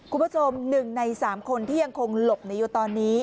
คุณผู้ชม๑ใน๓คนที่ยังคงหลบหนีอยู่ตอนนี้